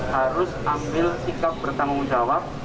harus ambil sikap bertanggung jawab